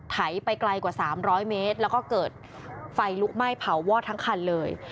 ไถไปไกลกว่า๓๐๐เมตรแล้วก็เกิดไฟลุกไหม้เผาวอดทั้งคันเลย